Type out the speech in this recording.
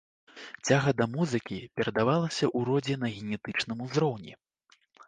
Цяга да музыкі перадавалася ў родзе на генетычным узроўні.